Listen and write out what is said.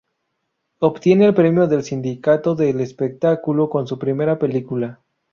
Obtiene el premio del Sindicato del Espectáculo con su primera película.